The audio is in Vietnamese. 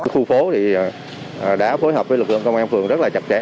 khu phố thì đã phối hợp với lực lượng công an phường rất là chặt chẽ